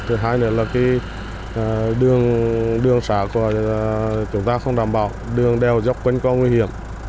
thứ hai nữa là đường xã của chúng ta không đảm bảo đường đèo dốc quên có nguy hiểm